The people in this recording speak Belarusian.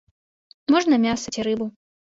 Можна мяса ці рыбу.